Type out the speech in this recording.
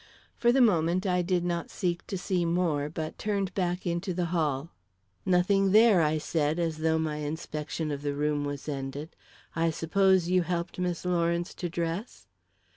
For the moment I did not seek to see more, but turned back into the hall. "Nothing there," I said, as though my inspection of the room was ended. "I suppose you helped Miss Lawrence to dress?"